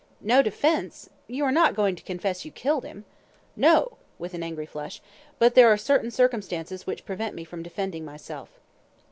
"No defence? You are not going to confess you killed him?" "No," with an angry flush, "but there are certain circumstances which prevent me from defending myself."